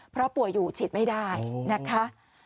เพราะป่วยอยู่ฉีดไม่ได้นะคะ